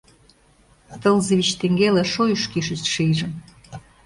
Тылзе, вич теҥгела, шуйыш кÿшыч шийжым.